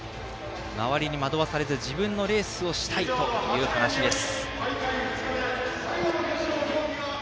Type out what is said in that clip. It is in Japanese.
周りに惑わされず自分のレースをしたいという話です。